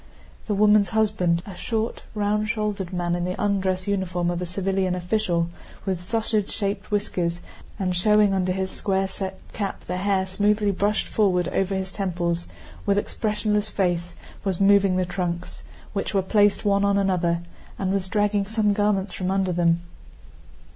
The woman's husband, a short, round shouldered man in the undress uniform of a civilian official, with sausage shaped whiskers and showing under his square set cap the hair smoothly brushed forward over his temples, with expressionless face was moving the trunks, which were placed one on another, and was dragging some garments from under them.